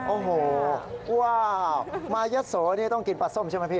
โอ้โหว้าวมะหอดยะโสต้องกินปลาสมใช่ไหมพี่